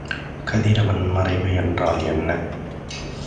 கதிரவன் மறைவு என்றால் என்ன?